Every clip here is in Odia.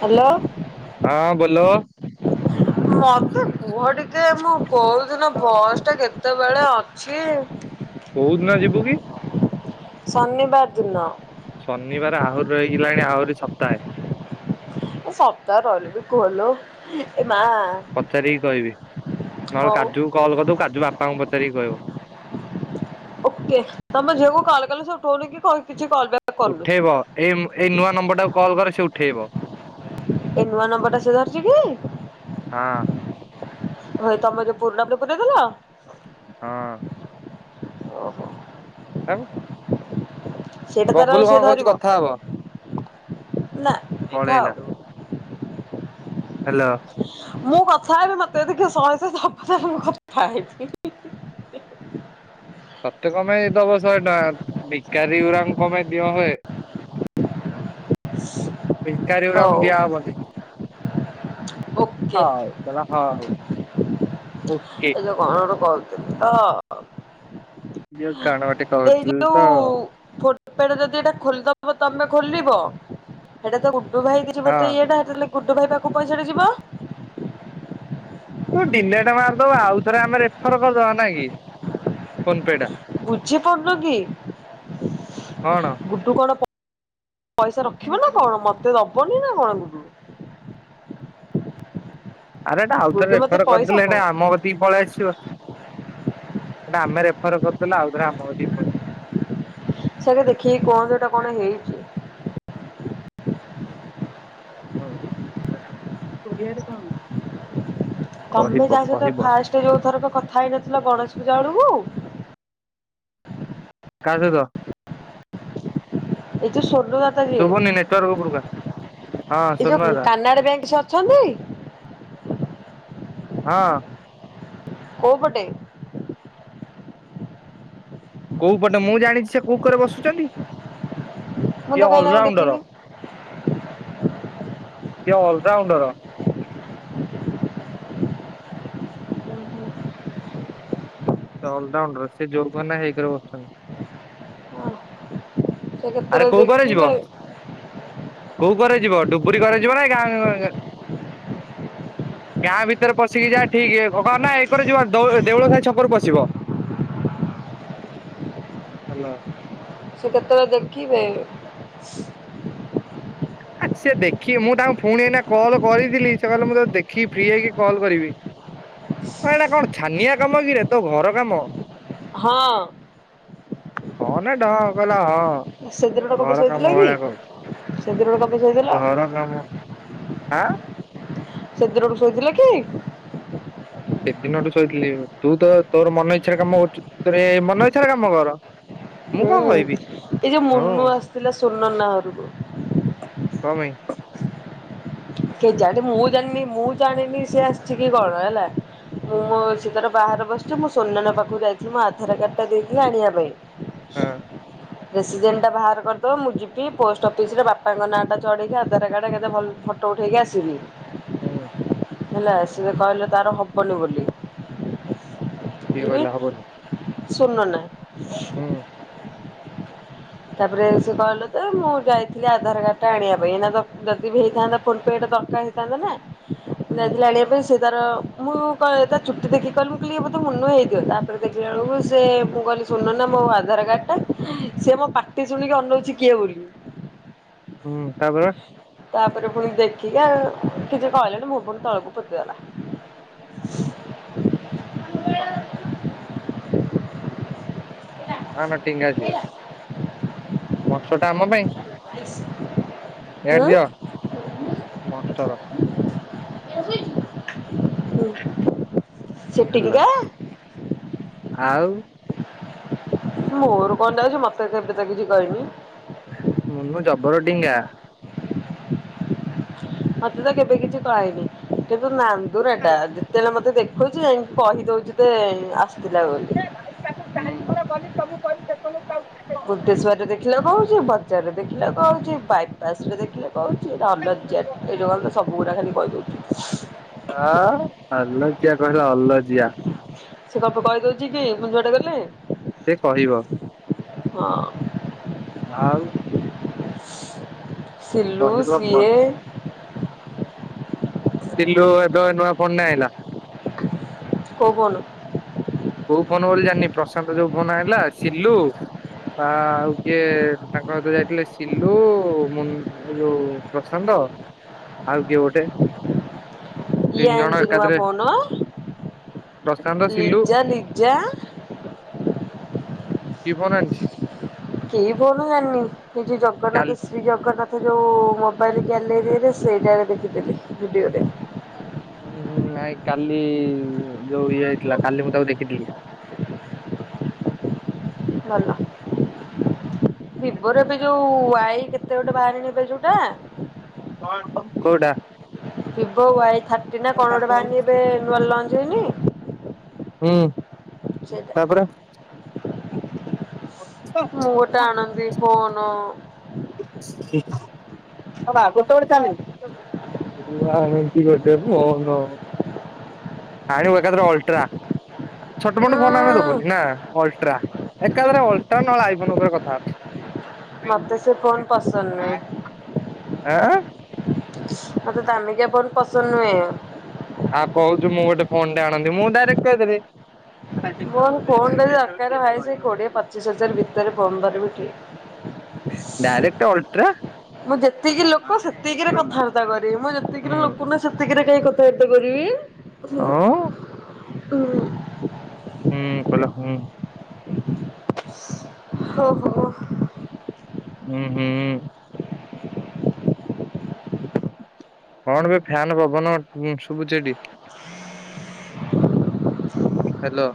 ହ୍ୟାଲୋ। ହଁ ବୋଲୋ। ମତେ କୁହ ଟିକେ ମୁଁ କଉଦିନ ବସ୍ ଟା କେତେ କେତେବେଳେ ଅଛି? କୋଉ ଦିନ ଯିବୁ କି? ଶନିବାର ଦିନ। ଶନିବାର ଆହୁରି ରହିଗଲାଣି ଆହୁରି ସପ୍ତାହେ। ସପ୍ତାହ ରିହିଲେ ବି ଖୋଲୁ ପଚାରିକି କହିବି, ନହେଲେ ହଉ। କାଜୁ କଲ୍ କରିଦବୁ କାଜୁ ବାପାଙ୍କୁ ପଚାରିକି କହିବ। ଓକେ ତମ ଝିଅକୁ କଲ କଲେ ସେ ଉଠଉନି କି କଣ କିଛି କଲ୍ ବ୍ୟାକ୍ କରୁନି। ଉଠେଇବ ଏଇ ଏଇ ନୂଆ ନମ୍ବର ଟାକୁ କଲ୍ କର ସେ ଉଠେଇବ। ଏ ନୂଆ ନମ୍ବରଟା ସେ ଧରିଛି ହଁ କି? ଭାଇ ତମେ ଯେ ପୁରୁଣା [unintelligible] ଦେଇ ଦେଲ। ହଁ। ଓ ହୋ। ଆଉ ସେଇଟା ତାର ବବୁଲ ସେ କଣ କହୁଛି ଧରିବ କଥା ହବ? ନା ଥାଉ। ପଳେଇଲା। ହାଲୋ ମୁଁ କ କଥା ହେବି ମତେ ଯଦି କିଏ ଶହେ ଶହେ ଦବ, ତାହେଲେ ମୁଁ କଥା ହେବି। ତତେ କମେଇ ଦବ ଶହେ ଟଙ୍କା ଭିକାରି ଗୁରାଙ୍କୁ କମେଇ ଦିଆ ହୁଏ। ଭକାରି ଗୁରାଙ୍କୁ ହଉ ଦିଆ ହବନି। ଓକେ ହଉ କହିଲା ହଉ। ଓକେ ଏ ତ କଣ ଗୋଟେ କହୁଥିଲି ତ। ଯୋଉ କଣ ଗୋଟେ କହୁଥିଲୁ ତ? ଏପେଟେ ଯଦି ଏଇଟା ଖୋଲିଦବ ତମେ ଖୋଲିବ ହେଟା ତ ଗୁଡ଼ୁ ଭାଇକି ହଁ ଯିବତ ଇଏଟା ହେଟା ଲା ଗୁଡୁ ଭାଇ ପାଖକୁ ପଇସା ଟା ଯିବ। ତୁ ଡିିଲେଟେ ମାରିଦବୁ ଆଉ ଥରେ ଆମେ ରେଫର କରିଦବା ନାଇ କି। ଫୋନ ପେ ଟା ବୁଝିପାରୁନ କି। କଣ? ଗୁଡୁ କଣ ପଇସା ରଖିବ ନା କଣ ମତେ ଦବନି ନା କଣ ଗୁଡୁ। ଆରେ ଏଟା ଆଉଥରେ ଗୁଡୁ ମତେ ରେଫର ପଇସା କରିଦେଲେ ଦବ ହେଟା ଆମ କତିକି ପଳେଇ ଆସିବ। ଏଟା ଆମେ ରେଫର କରିଦେଲେ ଆଉ ଥରେ ଆମ କତିକି ପ ସେ ଆଗେ ଦେଖିକି କୁହନ୍ତୁ ସେଟା କଣ ହେଇଛି। ଓ ଓଡ଼ିଆରେ କଣ। ତମେ କହିବ ଯାହା ସହିତ କହିବ ଫାଷ୍ଟେ ଯୋଉ ଥରକ କଥା ହେଇନଥିଲ ଗଣେଶ ପୂଜା ବେଳକୁ। କାହା ସହିତ। ଏ ଯଉ ସ୍ୱର୍ଣ୍ଣଲତା ଶୁଭୁନି ନେଟୱାର୍କ ଉପରକୁ ଯିଏ ଆ ହଁ ଏ ସୋନୁଆ ଯଉ ଦା କାନାଡ଼ା ବ୍ୟାଙ୍କ ସ ଅଛନ୍ତି। ହଁ। କଉ ପଟେ। କୋଉ ପଟେ ମୁଁ ଜାଣିଛି ସେ କୋଉ କରେ ବସୁଛନ୍ତି। ମୁଁ ତ ସିଏ କାହିଁ ତାଙ୍କୁ ଅଲରାଉଣ୍ଡର ଦେଖିନି ସିଏ ଅ ରାଉଣ୍ଡର। [inaudible] ସେ ଅଲରାଉଣ୍ଡର ସେ ଯଉ କରେ ନାଇ ହେଇ କରେ ବସୁଛନ୍ତି। ସେ ଆରେ କେତେବେଳେ କୋଉ କରେ ଯିବ ଦେଖିବେ କୋଉ କରେ ଯିବ ଡୁବୁରି କରେ ଯିବ ନା ଗାଁ। [unintelligible] ଗାଁ ଭିତରେ ପଶିକି ଯାଅ ଠିକ୍ ଏ ହେବ ନା ଏକରେ ଯିବ ନା ଦଉ ଦେଉଳ ସାହି ଛକରୁ ପଶିବ। ହାଲୋ। ସେ କେତେବେଳେ ଦେଖିବେ? ଆ ସିଏ ଦେଖିବେ ମୁଁ ତାଙ୍କୁ ଫୁଣି ଏଇନା କଲ୍ କରିଥିଲି ସେ କହିଲେ ମୁଁ ତତେ ଦେଖିକି ଫ୍ରି ହେଇକି କଲ୍ କରିବି। ହଁ ଏଇଟା କଣ ଛାନିଆ କାମ କିରେ ତୋ ଘର କାମ। ହଁ। ହଁ ନା ଢ କହିଲା ସେ ହଁ ଦିନଟା କଣ ପାଇଁ ଘର ଶୋଇଥିଲା କାମ କି? ଭଳିଆ କହୁ। ସେ ଦିନଟା କଣ ପାଇଁ ଶୋଇଥିଲା? ଘର କାମ ଆଁ। ସେଦିନ ଠୁ ଶୋଇଥିଲେ କି? ସେଦିନଠୁ ଶୋଇଥିଲି ତୁ ତୋ-ତୋର ମନ ଇଚ୍ଛାରେ କାମ କରୁଛୁ ତୋର ଏ ମନ ଇଚ୍ଛାରେ କାମ କର। ମୁଁ ହୁଁ କଣ କହିବି ଏ ଯୋଉ ହଉ ମୁନୁ ଆସିଥିଲା ସୁନନା ଘରକୁ। କଣ ପାଇଁ କେଜାଣି ମୁଁ ଜାଣିନି ମୁଁ ଜାଣିନି ସେ ଆସିିଚି କି କଣ ହେଲା। ହୁଁ ମୁଁ ମୋ ସେ ତାର ବାହାରେ ବସିଛି ମୁଁ ସୋନ ନାନା ପାଖକୁ ଯାଇଛି ମୋ ଆଧାର କାର୍ଡ ଟା ଦେଇକି ଆଣିବା ପାଇଁ। ହୁଁ। ରେସିଡେଣ୍ଟ ଟା ବାହାର କରିଦବ ମୁଁ ଯିବି ପୋଷ୍ଟ ଅଫିସରେ ବାପାଙ୍କ ନାଁଟା ଚଢ଼େଇକି ଆଧାର କାର୍ଡ଼ କେତେ ଭଲ ଫଟ ଫୋଟୋ ଉଠେଇକି ଆସିବି। ହୁଁ। ହେଲା ସେ କହିଲେ ତାର ହବନି ବୋଲି। କିଏ ଯିବି କହିଲା ହବନି? ସୁନନା। ହୁଁ ତାପରେ ସେ କହିଲେ ତ ମୁଁ ଯାଇଥିଲି ଆଧାର କାର୍ଡ ଟା ଆଣିବା ପାଇଁ ଏଇନା ତ ଯଦି ବି ହେଇଥାନ୍ତା ଫୋନ ପେ ଟା ଦରକାର ହେଇଥାନ୍ତା ନା ହୁଁ ଯାଇଥିଲି ଆଣିବା ପାଇଁ ସେ ତାର ମୁଁ କହି ତା ଚୁଟି ଦେଖି କହିଲି ମୁଁ କହିଲି ଇଏ ବୋଧେ ମୁନୁ ହେଇଥିବ ତାପରେ ଦେଖିଲା ବେଳକୁ ସେ ମୁଁ କହିଲି ସୁନନା ମୋ ଆଧାର କାର୍ଡ ଟା ସିଏ ମୋ ପାଟି ଶୁଣିକି ଅନଉଛି କିଏ ବୋଲି। ହୁଁ ତାପରେ। ତାପରେ ପୁଣି ଦେଖିକି ଆ କିଛି କହିଲାନି ମୁଁହ ପୁଣି ତଳକୁ ପୋତିଦେଲା। ଭଲ। ମହାନ ଟିଙ୍ଗା ସିଏ ବର୍ଷଟା ଆମ ପାଇଁ। ଏୟାଡ଼େ ଉଁ ଦିଅ ମନଷ୍ଟର୍। ସେ ହେଲା ଟିଙ୍ଗା। ଆଉ। ମୋର କଣ ଯାଉଛି ମତେ ସେ କେବେ ତ କିଛି କହିନି। ମୁନୁ ଜବର ଟିଙ୍ଗା। ମତେ ତ କେବେ କିଛି କହିନି କିନ୍ତୁ ନାନ୍ଦୁରାଟା ଯେତଳେ ମତେ ତ ଦେଖୁଛି ଯାଇକି କହିଦଉଛି ଯେ ଆସ ହୁଁ। ବୁଧେଶ୍ୱର ଦେଖିଲେ କହୁଚି ବଜାରରେ ଦେଖିଲେ କହୁଚି ବାଇପାସ୍ ରେ ଦେଖି ହେଲେ କହୁଛି ଏଟା ଅଲଜ୍ୟା ଟା ଏଇଠୁ ଗଲେ ତ ସବୁଗୁଡ଼ା ଖାଲି କହି ଦଉଛି। ଆଁ ଅଲଜିିଆ କହିଲା ଅଲଜିିଆ। ସେ କଣ ପାଇଁ କହି ଦଉଛି କି ମୁଁ ଯୁଆଡେ ଗଲେ। ସେ କହିବ। ହଁ। ଆଉ। ସିଲୁ କହିବ କଣ ସିଏ। ସିଲୁ ଏବେ ନୂଆ ଫୋନଟେ ଆଇଁଲା। କୋଉ ଫୋନ? କୋଉ ଫୋନ ବୋଲି ଜାଣିନି ପ୍ରଶାନ୍ତ ଯୋଉ ଫୋନ ଆଣିଲା ସିଲୁ। ତା ଆଉ କିଏ ତାଙ୍କ ସହିତ ଯାଇଥିଲେ ସିଲୁ ମୁ ଏ ଯୋଉ ପ୍ରଶାନ୍ତ। ନ୍ତ ଆଉ କିଏ ଗୋଟେ। କିଏ ତିନି ଜଣ ଆଣିଛି ନୂଆ ଏକାଥରେ ଫୋନ ପ୍ରଶାନ୍ତ ସିଲୁ ଲିଜା ଲି ଜା କି ଫୋନ ଆଣିଛି କି ଫୋନ ଜାଣିନି କି ଯେ ଜଗନ୍ନାଥ କାଲି ଶ୍ରୀ ଜଗନ୍ନାଥ। ଯୋଉ ମୋବାଇଲ ଗ୍ୟାଲେରୀରେ ସେଇଟାରେ ଦେଖିଦି ଭିଡିଓରେ। ହୁଁ ହୁଁ ନାଇଁ କାଲି ଯୋଉ ଇଏ ହେଇଥିଲା କାଲି ମୁଁ ତାକୁ ଦେଖିଥିଲି। ଭଲ। ଭିବର ଏବେ ଯୋଉ ଆଈ କେତେ ଗୋଟେ ବାହାରିନି ଏ ପାଳି ଯୋଉଟା। କୋଉଟା? ଭିବୋ ୱାଇଥାଟି ନା କଣ ଗୋଟେ ବାହାରିନି ଏବେ ନୂଆ ଲଞ୍ଚ ହେଇନି। ହୁଁ ସେଇଟା ତାପରେ। ମୁଁ ଗୋଟେ ଆଣନ୍ତି ଫୋନ। ଠ [unintelligible] ଆଣିବୁ ଏକା ଥରେ ଅଲଟ୍ରା। ଛୋଟ ଉଁ ମୋଟ ଫୋନ ଆମେ ଦବୁନି ନା ଅଲଟ୍ରା ଏକାଧରେ ଅଲଟ୍ରା ନହେଲେ ଆଇ ଉପରେ କଥା। ମତେ ସେ ଫୋନ ପସନ୍ଦ ନୁହେଁ ଆଁ। ମତେ ଦାମିକିଆ ଫୋନ ପସନ୍ଦ ନୁହେଁ। ଆଉ କହୁଛୁ ମୁଁ ଗୋଟେ ଫୋନଟେ ଆଣନ୍ତି ମୁଁ ଡାଇରେକ୍ଟ କହିଦେଲି। ମୋର ଫୋନଟେ ଦରକାର ଭାଇ ସେ କୋଡ଼ିଏ ପଚିଶ ହଜାର ଭିତରେ ଫୋନ୍ ଧରିବି ଠିକ। Direct ultra. ମୁଁ ଯେତିକି ଲୋକ ସେତିକିରେ କଥାବାର୍ତ୍ତା କରିବି ମୁଁ ଯେତିକିରେ ହୁଁ ଲୋକ ନୁହଁ ସେତିକିରେ କାଇ କଥାବାର୍ତ୍ତା କରିବି। ହଁ ହଁ। ହୁଁ କହିଲା ହୁଁ। ଓହୋ। ହୁଁ ହୁଁ। କଣ ବେ ଫ୍ୟାନ ପବନ ଶୁଭୁଛି ଏଠି? ହ୍ୟାଲୋ।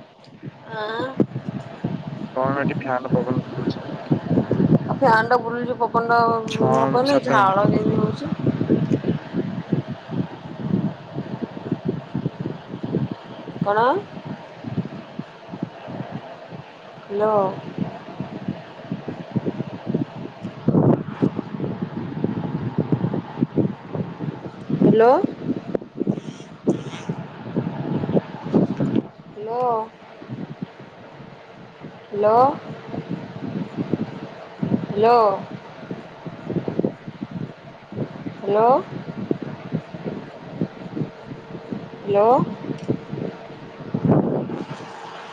ଆଁ ହଁ ଏଠି ଫ୍ୟାନ ପବନ ଶୁଭୁଛି। ଆ ଫ୍ୟାନ ଟା ବୁଲୁଛି ପବନ ଟା ଛଅ ହ-ହବନି ସାତ ମିନିଟ ଝାଳ କେମତିି ହୁଉଛି। କଣ? Hello. Hello. Hello? Hello hello. Hello. Hello.